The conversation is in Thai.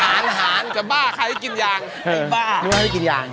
อาหารละอาหารอาหารจะบ้าใครกินยางเจ้าขี้บ้า